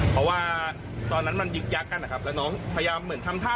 เพราะว่าตอนนั้นมันยึกยักษ์กันนะครับแล้วน้องพยายามเหมือนทำท่า